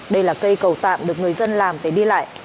đây là cây cầu tạm được người dân làm để đi lại